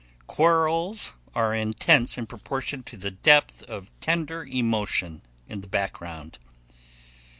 Quarrels are intense in proportion to the depth of tender emotion in the background.